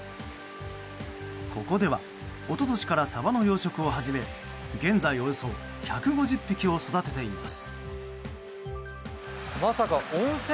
ここでは一昨年からサバの養殖を始め現在およそ１５０匹を育てています。